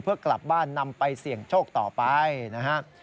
เพื่อกลับบ้านนำไปเสี่ยงโชคต่อไปนะครับ